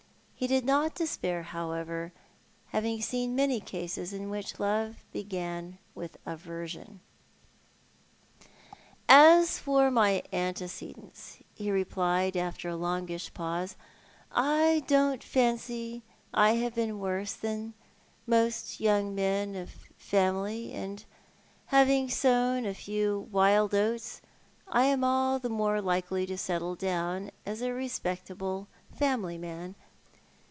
He did not despair, however, having seen many cases in which love began with aversion. " As for my antecedents," he replied, after a longish pause, "I don't fancy I have been worse than most young men of family; and having sown a few wild oats I am all the more likely to settle down as a respectable family man.